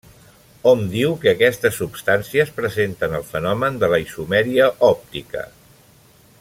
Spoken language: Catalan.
Hom diu que aquestes substàncies presenten el fenomen de la isomeria òptica.